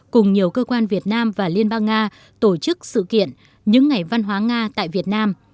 cùng nhiều cơ quan việt nam và liên bang nga tổ chức sự kiện những ngày văn hóa nga tại việt nam